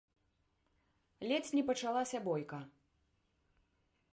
Ледзь не пачалася бойка.